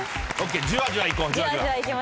じわじわいこう。